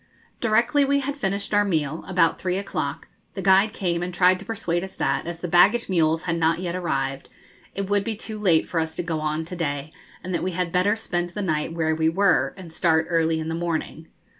Directly we had finished our meal about three o'clock the guide came and tried to persuade us that, as the baggage mules had not yet arrived, it would be too late for us to go on to day, and that we had better spend the night where we were, and start early in the morning.